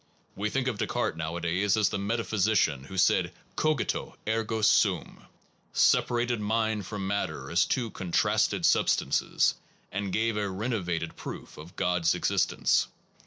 We think of Descartes nowadays as the metaphysician who said Cogito, ergo sum, separated mind from matter as two con trasted substances, and gave a renovated proof of God s existence.